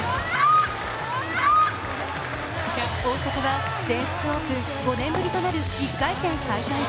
大坂は全仏オープン５年ぶりとなる１回戦敗退。